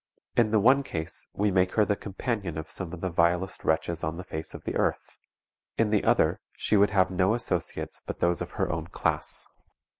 In the one case, we make her the companion of some of the vilest wretches on the face of the earth; in the other, she would have no associates but those of her own class.